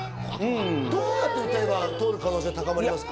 どうやって歌えば通る可能性が高まりますか？